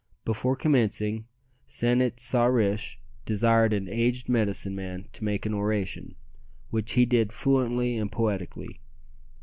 Before commencing, San it sa rish desired an aged medicine man to make an oration, which he did fluently and poetically.